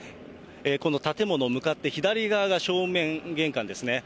この建物、向かって左側が正面玄関ですね。